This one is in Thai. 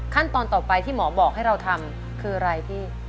ขั้นตอนต่อไปที่หมอบอกให้เราทำคืออะไรพี่